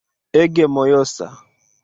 Ege mojosa